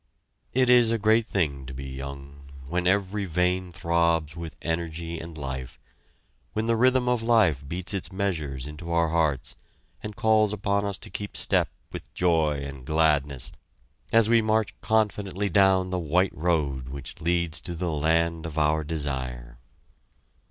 It is a great thing to be young, when every vein throbs with energy and life, when the rhythm of life beats its measures into our hearts and calls upon us to keep step with Joy and Gladness, as we march confidently down the white road which leads to the Land of our Desire.